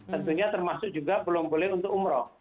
tentunya termasuk juga belum boleh untuk umrah